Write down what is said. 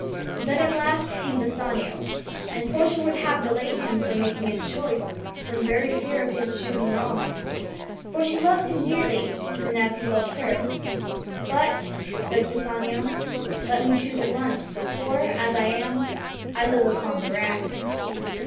Then at last came Bassanio, and Portia would have delayed him from making his choice from very fear of his choosing wrong. For she loved him dearly, even as he loved her. "But," said Bassanio, "let me choose at once, for, as I am, I live upon the rack."